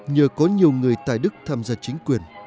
nhờ có nhiều người tài đức tham gia chính quyền